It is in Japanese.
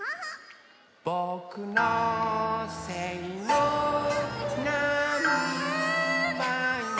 「ぼくのせいのなんばいも」